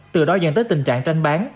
từ đó dần tới tình trạng tranh bán